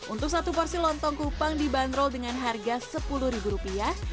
untuk satu porsi lontong kupang dibanderol dengan harga sepuluh ribu rupiah